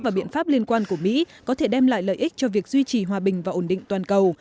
và biện pháp liên quan của mỹ có thể đem lại lợi ích cho việc duy trì hòa bình và ổn định toàn cầu